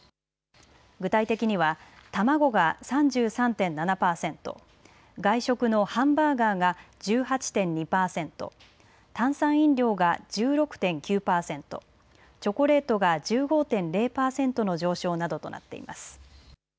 具体的には卵が３３．７％、外食のハンバーガーが１８．２％、炭酸飲料が１６．９％、チョコレートが１５．０％の上昇などとなっています。